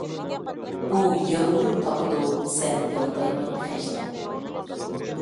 ئۇ يالۋۇرۇپ تاپىدۇ، سەن يالتايماي خەجلە!